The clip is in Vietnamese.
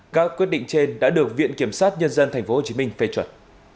các quyết định trên đã được viện kiểm sát nhân dân tp hcm phê chuẩn